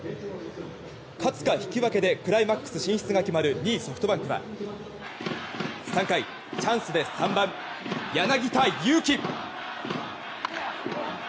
勝つか引き分けでクライマックス進出が決まる２位、ソフトバンクは３回チャンスで３番、柳田悠岐。